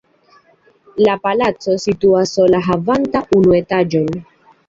La palaco situas sola havanta unu etaĝon.